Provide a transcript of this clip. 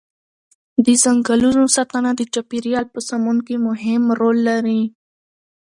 د ځنګلونو ساتنه د چاپیریال په سمون کې مهم رول لري.